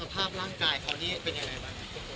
ภาพร่างกายเขานี่เป็นยังไงบ้าง